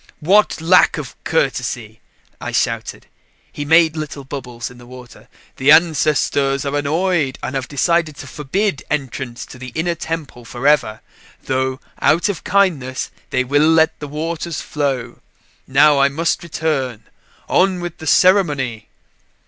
"What lack of courtesy!" I shouted. He made little bubbles in the water. "The ancestors are annoyed and have decided to forbid entrance to the Inner Temple forever; though, out of kindness, they will let the waters flow. Now I must return on with the ceremony!"